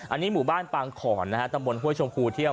อันนี้หมู่บ้านปางขอนนะฮะตำบลห้วยชมพูเที่ยว